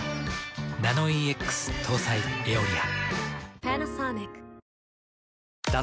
ナノイーＸ搭載「エオリア」。